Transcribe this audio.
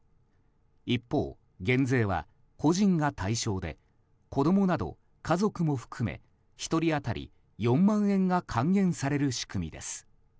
一方、減税は個人が対象で子供など家族も含め１人当たり４万円が還元される仕組みです。